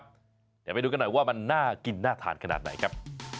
เดี๋ยวไปดูกันหน่อยว่ามันน่ากินน่าทานขนาดไหนครับ